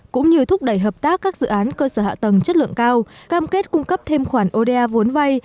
cũng như thúc đẩy hợp tác các dự án cơ sở hạ tầng chất lượng cao cam kết cung cấp thêm khoản oda vốn vay